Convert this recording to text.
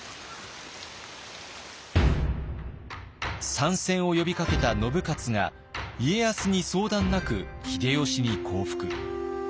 参戦を呼びかけた信雄が家康に相談なく秀吉に降伏。